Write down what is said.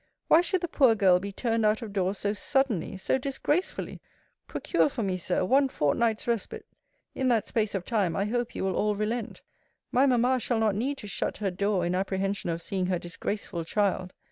Why should the poor girl be turned out of doors so suddenly, so disgracefully? Procure for me, Sir, one fortnight's respite. In that space of time, I hope you will all relent. My mamma shall not need to shut her door in apprehension of seeing her disgraceful child.